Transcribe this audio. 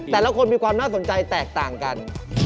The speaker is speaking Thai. แต่ละคนมีความน่าสนใจแตกต่างกัน